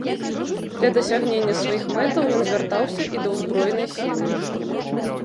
Для дасягнення сваіх мэтаў ён звяртаўся і да ўзброенай сілы.